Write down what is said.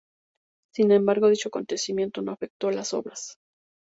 Sin embargo, dicho acontecimiento no afectó las obras.